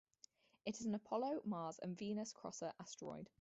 It is an Apollo, Mars- and Venus-crosser asteroid.